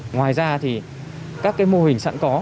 ngoài ra các mô hình sẵn có